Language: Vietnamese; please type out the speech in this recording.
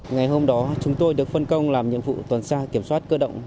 ngày hôm đó chúng tôi được phân công làm nhiệm vụ toàn xa kiểm soát cơ động